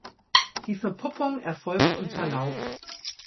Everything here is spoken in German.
Die Verpuppung erfolgt unter Laub.